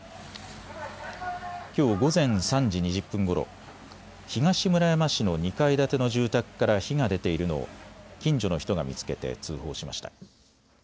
きょう午前３時２０分ごろ、東村山市の２階建ての住宅から火が出ているのを近所の人が見つけて通報しました。